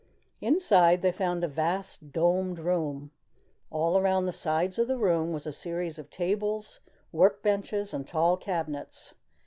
Inside they found a vast, domed room. All around the sides of the room was a series of tables, work benches, and tall cabinets.